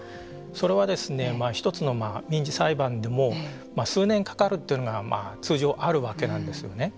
それは１つの民事裁判でも数年かかるというのが通常あるわけなんですよね。